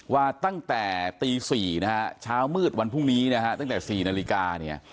ว่าตั้งแต่ตี๔นะฮะเช้ามืดวันพรุ่งนี้นะฮะตั้งแต่๔นาฬิกาเนี่ย